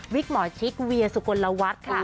วิกหมาวะชิคเวียร์ศุกลวัส